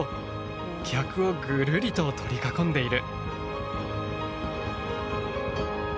客をぐるりと取り囲んでいる！